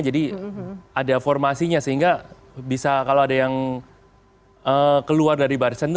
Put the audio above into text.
jadi ada formasinya sehingga bisa kalau ada yang keluar dari barisan tuh